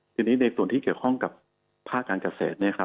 ทีนี้ในส่วนที่เกี่ยวข้องกับภาคการเกษตรเนี่ยครับ